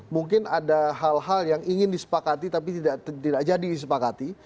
mungkin ada hal hal yang ingin disepakati tapi tidak jadi disepakati